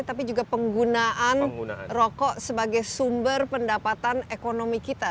tapi juga penggunaan rokok sebagai sumber pendapatan ekonomi kita